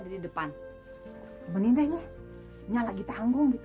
katinya dia lagi repot